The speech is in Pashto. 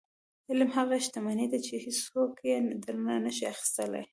• علم هغه شتمني ده چې هیڅوک یې درنه نشي اخیستلی.